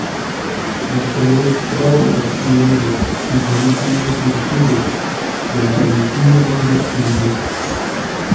Los colores rojo y oro simbolizan las virtudes de la valentía y el esplendor.